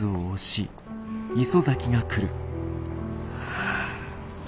はあ。